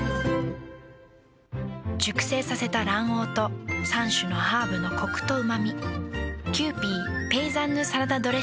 熟成させた卵黄と３種のハーブのコクとうま味。